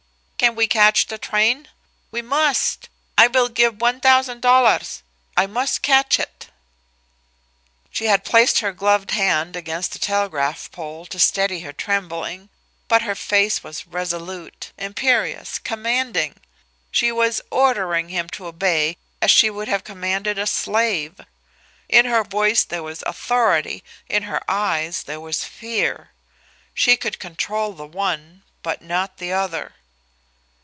"Can we catch the train? We must! I will give one thousand dollars. I must catch it." She had placed her gloved hand against a telegraph pole to steady her trembling, but her face was resolute, imperious, commanding. She was ordering him to obey as she would have commanded a slave. In her voice there was authority, in her eye there was fear. She could control the one but not the other.